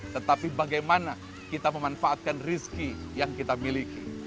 tetapi bagaimana kita memanfaatkan rizki yang kita miliki